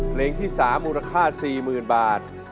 เพลงที่๓มูลค่า๔๐๐๐บาท